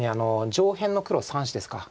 上辺の黒３子ですか。